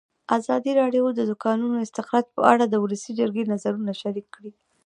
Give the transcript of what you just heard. ازادي راډیو د د کانونو استخراج په اړه د ولسي جرګې نظرونه شریک کړي.